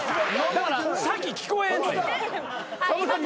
だから先聞こえんねん。